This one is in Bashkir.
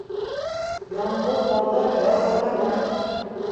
Яңғыҙ бағыр яу ҡайтармаҫ.